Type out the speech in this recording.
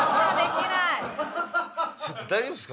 大丈夫ですか？